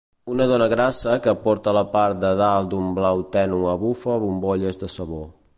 Una dona grassa que porta la part de dalt d'un blau tènue bufa bombolles de sabó.